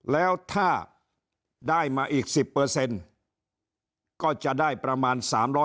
แล้วถ้าได้มาอีก๑๐ก็จะได้ประมาณ๓๐๐